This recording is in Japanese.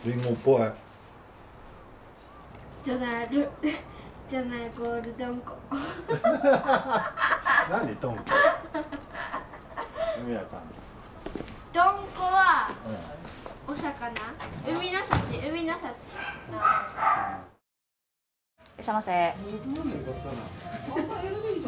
いらっしゃいませ。